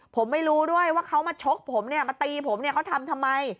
ผมไม่รู้ด้วยว่าเขามาชกผมเนี่ยมาตีผมเนี่ยเขาทำทำไม